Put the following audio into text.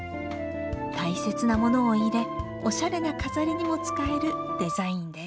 大切なものを入れおしゃれな飾りにも使えるデザインです。